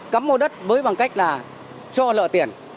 cắm ô đất với bằng cách là cho lợi tiền